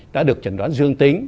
đã được chẩn đoán dương tính